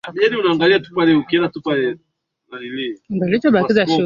na fulani ndio alihusika na fulani ndio anatakikana achukuliwe hatua